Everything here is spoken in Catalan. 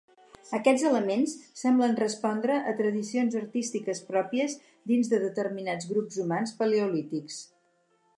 Aquests elements semblen respondre a tradicions artístiques pròpies dins de determinats grups humans paleolítics.